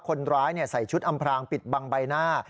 คนร้ายใส่ชุดอำพรางปิดบังใบหน้า